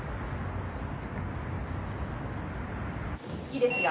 ・いいですよ。